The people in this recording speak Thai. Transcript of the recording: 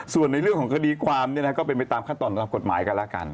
ส่วนในเรื่องของคดีความเนี่ยนะก็เป็นไปตามขั้นตอนตามกฎหมายกันแล้วกัน